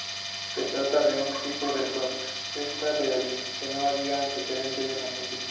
Se trataba de un tipo de protesta del que no había antecedentes en Argentina.